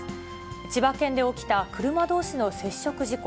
千葉県で起きた車どうしの接触事故。